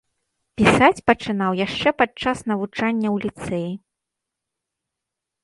Пісаць пачынаў яшчэ падчас навучання ў ліцэі.